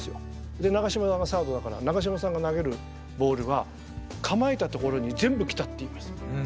で長嶋さんがサードだから長嶋さんが投げるボールは構えた所に全部来たっていいました。